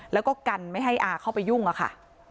แล้วก็กันไม่ให้อาเข้าไปยุ่งอะค่ะ